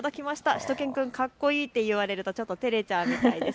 しゅと犬くんかっこいいって言われるとちょっとてれちゃうみたいです。